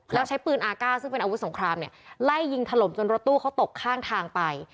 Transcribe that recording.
แล้วใช้ปืนอาก้าซึ่งเป็นอาวุธสงครามเนี่ยไล่ยิงถล่มจนรถตู้เขาตกข้างทางไป